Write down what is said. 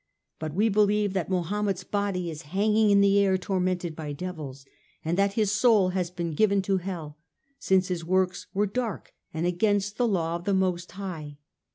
But we believe that Mahomet's body is hanging in the air tormented by devils, and that his soul has been given to hell, since his works were dark and against the law of the Most High.